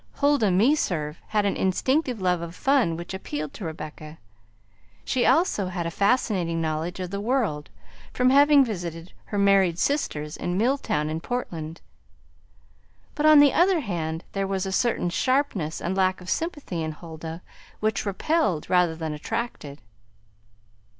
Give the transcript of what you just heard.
Huldah Meserve had an instinctive love of fun which appealed to Rebecca; she also had a fascinating knowledge of the world, from having visited her married sisters in Milltown and Portland; but on the other hand there was a certain sharpness and lack of sympathy in Huldah which repelled rather than attracted.